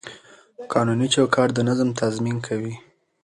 قانوني چوکاټ د نظم تضمین کوي.